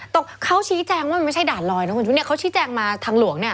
ตรงเขาชี้แจงว่ามันไม่ใช่ด่านลอยเนี่ยเขาชี้แจงมาทางหลวง